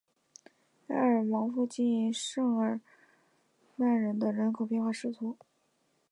埃尔芒附近圣日耳曼人口变化图示